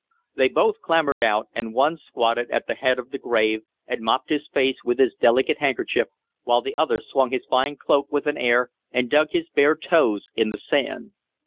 They both clambered out, and one squatted at the head of the grave and mopped his face with his delicate handkerchief, while the other swung his fine cloak with an air and dug his bare toes in the sand.